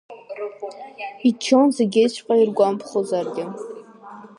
Иччон, зегьыҵәҟьа иргәамԥхозаргьы.